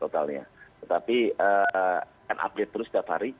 tetapi kan update terus setiap hari